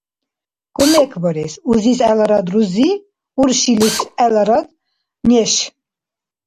Кумекбарес. Узис гӀеларад рузи, уршилис гӀеларад неш…